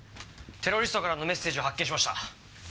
テロリストからのメッセージを発見しました。